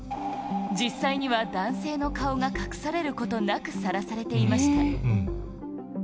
実際には男性の顔が隠されることなくさらされていました。